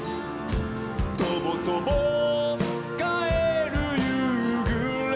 「とぼとぼかえるゆうぐれふいに」